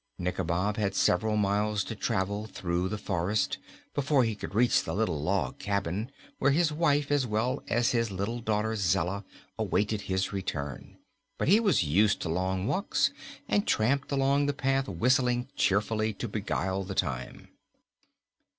Nikobob had several miles to travel through the forest before he could reach the little log cabin where his wife, as well as his little daughter Zella, awaited his return, but he was used to long walks and tramped along the path whistling cheerfully to beguile the time.